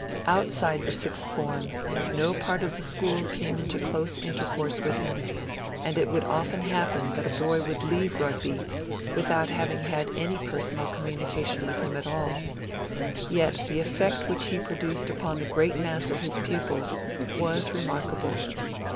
Outside the Sixth Form, no part of the school came into close intercourse with him; and it would often happen that a boy would leave Rugby without having had any personal communication with him at all. Yet the effect which he produced upon the great mass of his pupils was remarkable.